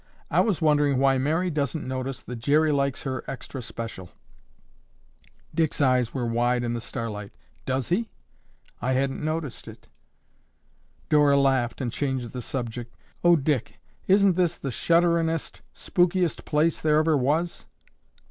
I was wondering why Mary doesn't notice that Jerry likes her extra special." Dick's eyes were wide in the starlight. "Does he? I hadn't noticed it." Dora laughed and changed the subject. "Oh, Dick, isn't this the shudderin'est, spookiest place there ever was?"